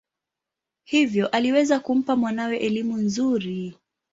Hivyo aliweza kumpa mwanawe elimu nzuri.